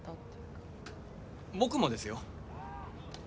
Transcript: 僕もですよ。